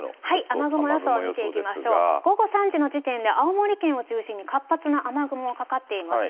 雨雲予想ですが、午後３時の時点で青森県を中心に活発な雨雲がかかっています。